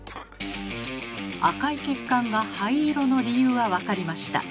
赤い血管が灰色の理由は分かりました。